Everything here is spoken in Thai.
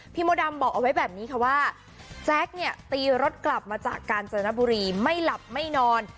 มดดำบอกเอาไว้แบบนี้ค่ะว่าแจ๊คเนี่ยตีรถกลับมาจากกาญจนบุรีไม่หลับไม่นอน